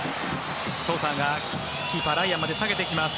ソウターがキーパー、ライアンまで下げていきます。